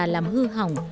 dần dà làm hư hỏng